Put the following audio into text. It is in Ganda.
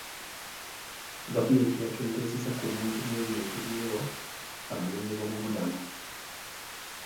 Gavumenti yakendeeza ku bungi bw'ebintu by'ewa abanoonyi b'obubuddamu.